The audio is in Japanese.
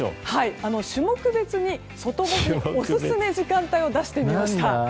種目別に外干しにオススメ時間帯を出してみました。